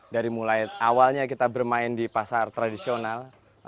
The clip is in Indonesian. dari mulai awalnya kita bermain di pasar tradisional